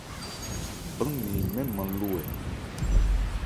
Bán nne mɛ́n nman lo ɛ ?